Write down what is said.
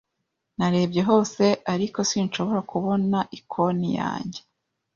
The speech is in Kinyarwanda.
Narebye hose, ariko sinshobora kubona ikooni yanjye.